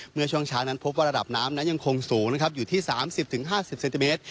เมื่อช่วงเช้านั้นพบว่าระดับน้ำนั้นยังคงสูงนะครับอยู่ที่๓๐๕๐เซนติเมตร